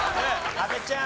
阿部ちゃん。